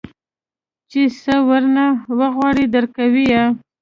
چې سه ورنه وغواړې درکوي يې.